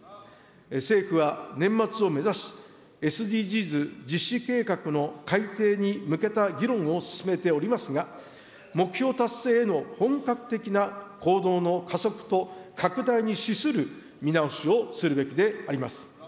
政府は年末を目指し、ＳＤＧｓ実施計画の改定に向けた議論を進めておりますが、目標達成への本格的な行動の加速と拡大に資する見直しをするべきであります。